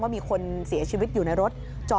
มีคนเสียชีวิตอยู่ในรถ